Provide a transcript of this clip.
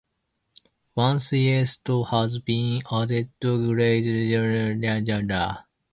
Once yeast has been added, grapes begin to ferment rapidly.